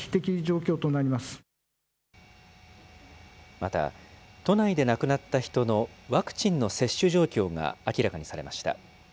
また、都内で亡くなった人のワクチンの接種状況が明らかにされました。